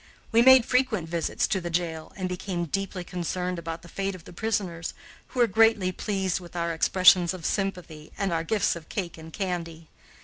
We made frequent visits to the jail and became deeply concerned about the fate of the prisoners, who were greatly pleased with our expressions of sympathy and our gifts of cake and candy.